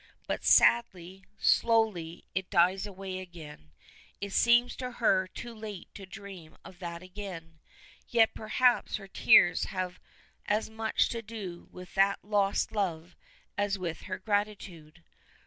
But sadly, slowly, it dies away again. It seems to her too late to dream of that again. Yet perhaps her tears have as much to do with that lost love as with her gratitude.